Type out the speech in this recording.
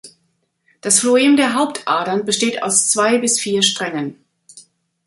Das Phloem der Hauptadern besteht aus zwei bis vier Strängen.